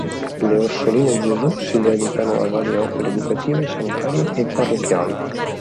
Le Orsoline di Gesù si dedicano a varie opere educative, sanitarie e parrocchiali.